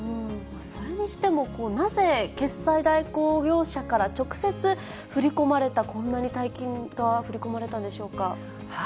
それにしてもなぜ決済代行業者から直接振り込まれた、こんなに大金が振り込まれたんでしょうか。